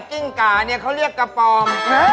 กิ้งกาเนี่ยเขาเรียกกระปอม